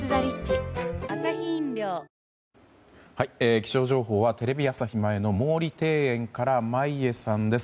気象情報はテレビ朝日前の毛利庭園から眞家さんです。